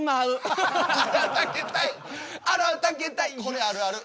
これあるある。